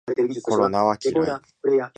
コロナは嫌い